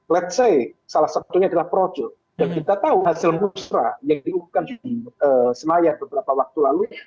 let's say salah satunya adalah projo dan kita tahu hasil musrah yang diunggah di senayan beberapa waktu lalu